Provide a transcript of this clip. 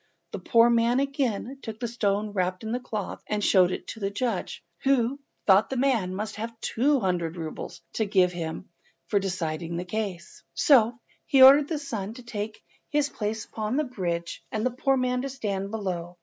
The poor man again took the stone wrapped in the cloth and showed it to the judge, who thought the man must there have two hundred roubles to give to him for deciding the case. So he ordered the son to take his place upon the bridge and the poor man to stand below.